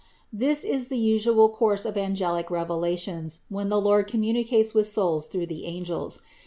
This is the usual course of angelic revelations when the Lord communicates with souls through the angels.